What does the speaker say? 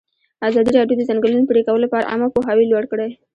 ازادي راډیو د د ځنګلونو پرېکول لپاره عامه پوهاوي لوړ کړی.